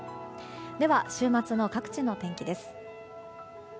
では、週末の各地の天気です。